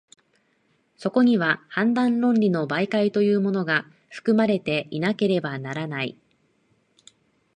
そこには判断論理の媒介というものが、含まれていなければならない。